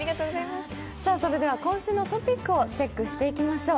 それでは、今週のトピックをチェックしていきましょう。